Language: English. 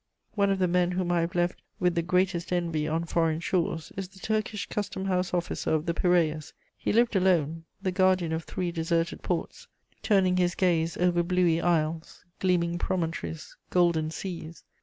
One of the men whom I have left with the greatest envy on foreign shores is the Turkish custom house officer of the Piræus: he lived alone, the guardian of three deserted ports, turning his gaze over bluey isles, gleaming promontories, golden seas.